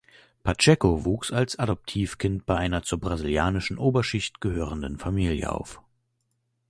Pacheco wuchs als Adoptivkind bei einer zur brasilianischen Oberschicht gehörenden Familie auf.